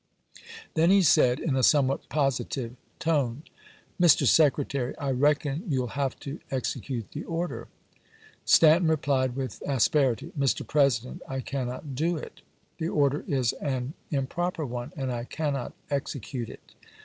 Then he said, in a somewhat positive tone: "Mr. Secretary, I reckon you '11 have to execute the order.?' Stanton rephed with asperity: "Mr. President, I cannot do it. The order is an improper one, and I cannot execute it."